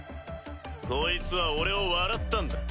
こいつは俺を笑ったんだ。